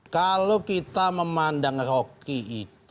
kalau kita memandang rocky itu